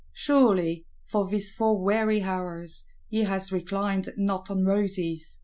Surely, for these four weary hours, he has reclined not on roses!